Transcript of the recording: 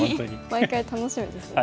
毎回楽しみですね。